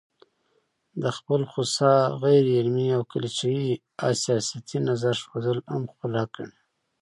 د خپل خوسا، غيرعلمي او کليشه يي حساسيتي نظر ښودل هم خپل حق ګڼي